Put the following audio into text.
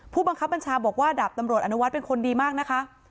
ผู้บังคับบัญชาบอกว่าดาบตำรวจอนุวัฒน์เป็นคนดีมากนะคะ